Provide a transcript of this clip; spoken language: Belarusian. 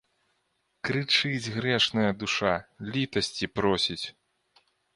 Крычыць грэшная душа, літасці просіць.